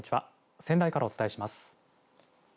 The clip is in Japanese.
仙台からお伝えします。